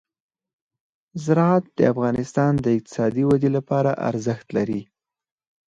زراعت د افغانستان د اقتصادي ودې لپاره ارزښت لري.